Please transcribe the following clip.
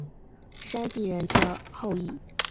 山地人的后裔。